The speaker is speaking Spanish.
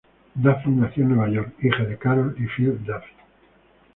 Duffy nació en Nueva York, hija de Carol, y Phil Duffy.